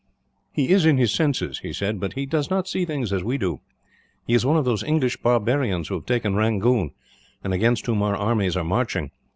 "He is in his senses," he said, "but he does not see things as we do. He is one of those English barbarians who have taken Rangoon, and against whom our armies are marching.